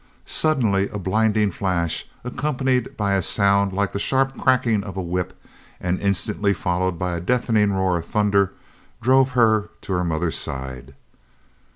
Suddenly a blinding flash, accompanied by a sound like the sharp cracking of a whip and instantly followed by a deafening roar of thunder, drove her to her mother's side.